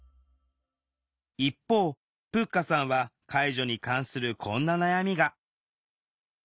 一方ぷっかさんは介助に関するこんな悩みが。